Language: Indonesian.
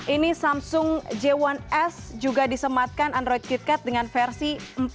ini samsung j satu s juga disematkan android kitkat dengan versi empat empat